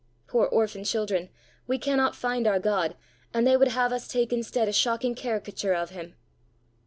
Poor orphan children, we cannot find our God, and they would have us take instead a shocking caricature of him!"